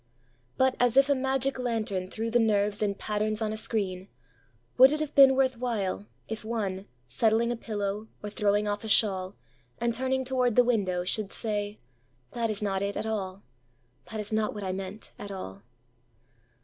But as if a magic lantern threw the nerves in patterns on a screen:Would it have been worth whileIf one, settling a pillow or throwing off a shawl, And turning toward the window, should say:"That is not it at all, That is not what I meant, at all."